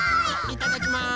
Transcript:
いただきます！